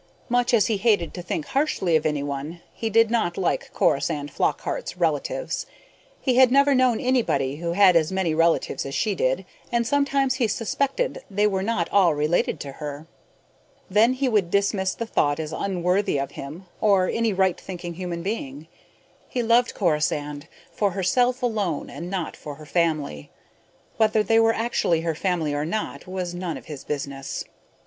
Much as he hated to think harshly of anyone, he did not like Corisande Flockhart's relatives. He had never known anybody who had as many relatives as she did, and sometimes he suspected they were not all related to her. Then he would dismiss the thought as unworthy of him or any right thinking human being. He loved Corisande for herself alone and not for her family. Whether they were actually her family or not was none of his business.